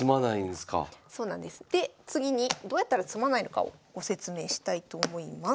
で次にどうやったら詰まないのかをご説明したいと思います。